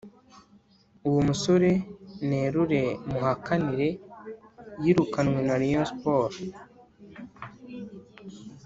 uwo musore nerure muhakanire yirukanywe na rayon sports